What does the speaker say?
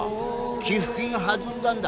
寄付金弾んだんだ